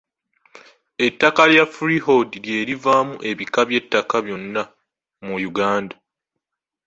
Ettaka lya freehold lye livaamu ebika by’ettaka byonna mu Uganda.